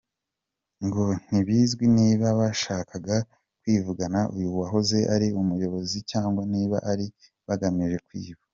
Ngo ntibizwi niba bashakaga kwivugana uyu wahoze ari umuyobozi cyangwa niba bari bagamije kwiba.